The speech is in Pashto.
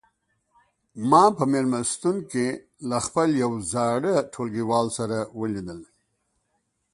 ما په مېلمستون کې له خپل یو زاړه ټولګیوال سره ولیدل.